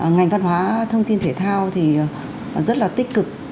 ngành văn hóa thông tin thể thao thì rất là tích cực